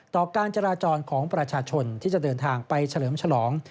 การจราจรของประชาชนที่จะเดินทางไปเฉลิมฉลอง